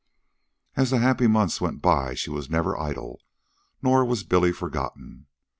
As the happy months went by she was never idle. Nor was Billy forgotten.